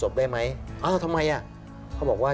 เพราะว่า